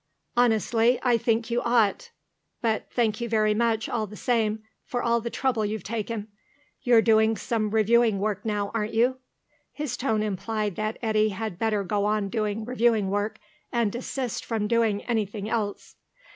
"Honestly, I think you ought. But thank you very much, all the same, for all the trouble you've taken.... You're doing some reviewing work now, aren't you?" His tone implied that Eddy had better go on doing reviewing work, and desist from doing anything else.